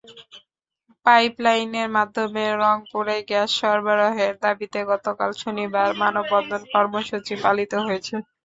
পাইপলাইনের মাধ্যমে রংপুরে গ্যাস সরবরাহের দাবিতে গতকাল শনিবার মানববন্ধন কর্মসূচি পালিত হয়েছে।